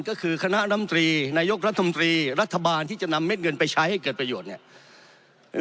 ก็คือคณะลำตรีนายกรัฐมนตรีรัฐบาลที่จะนำเม็ดเงินไปใช้ให้เกิดประโยชน์เนี่ย